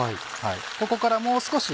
ここからもう少し。